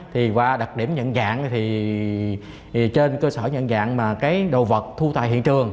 thì qua đặc điểm nhận dạng thì trên cơ sở nhận dạng mà cái đồ vật thu tại hiện trường